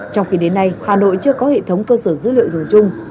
trong khi đến nay hà nội chưa có hệ thống cơ sở dữ liệu dùng chung